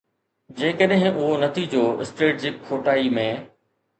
جيڪڏهن اهو نتيجو اسٽريٽجڪ کوٽائي ۾